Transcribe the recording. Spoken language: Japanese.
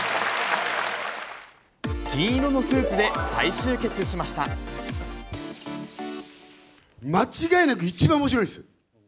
銀色のスーツで再集結しまし間違いなく一番おもしろいです。